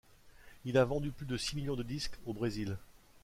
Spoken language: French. Il a vendu plus de six millions de disques au Brésil.